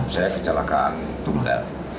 saya kecelakaan tunda